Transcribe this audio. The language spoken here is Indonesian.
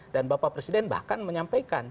dan bapak presiden bahkan menyampaikan